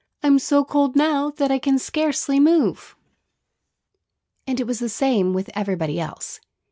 "I'm so cold now that I can scarcely move." And it was the same with everybody else.